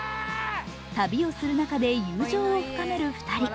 旅をする中で友情を深める２人。